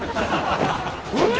うわ！